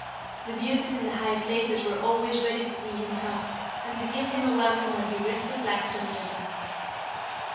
The beauties in the high places were always ready to see him come, and to give him a welcome when he risked his life to amuse them.